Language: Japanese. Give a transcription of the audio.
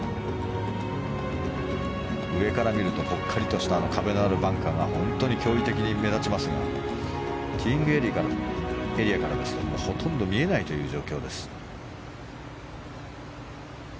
上から見るとぽっかりとした壁のあるバンカーが本当に脅威的に目立ちますがティーイングエリアからですとほとんど見えない状況です。